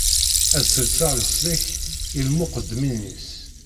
Ad sselseɣ leslak i lmuqeddmin-is.